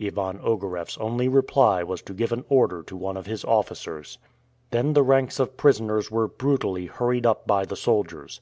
Ivan Ogareff's only reply was to give an order to one of his officers. Then the ranks of prisoners were brutally hurried up by the soldiers.